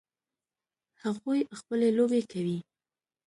هغوی خپلې لوبې کوي